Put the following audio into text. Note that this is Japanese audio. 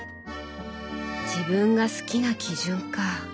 「自分が好きな基準」か。